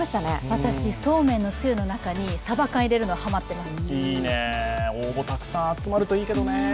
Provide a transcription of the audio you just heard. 私、そうめんのつゆの中にさば缶入れるのハマってます。